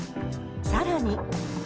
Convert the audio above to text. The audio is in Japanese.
さらに。